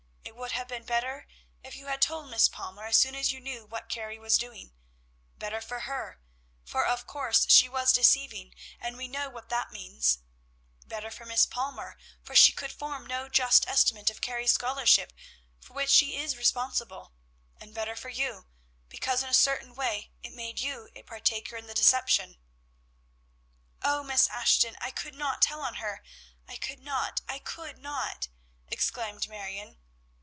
It would have been better if you had told Miss Palmer as soon as you knew what Carrie was doing; better for her, for of course she was deceiving, and we know what that means; better for Miss Palmer, for she could form no just estimate of Carrie's scholarship, for which she is responsible; and better for you, because, in a certain way, it made you a partaker in the deception." "O Miss Ashton! I could not tell on her; I could not, I could not!" exclaimed Marion.